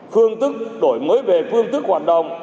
phương tức đổi mới về phương tức hoạt động